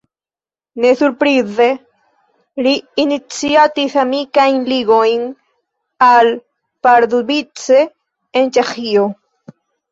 Ne surprize li iniciatis amikajn ligojn al Pardubice en Ĉeĥio.